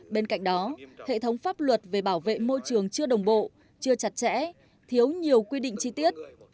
bên cạnh đó hệ thống pháp luật về bảo vệ môi trường chưa đồng bộ chưa chặt chẽ thiếu nhiều quy định chi tiết